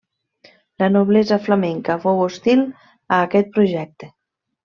La noblesa flamenca fou hostil a aquest projecte.